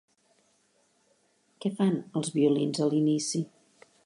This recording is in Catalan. Què fan els violins a l'inici?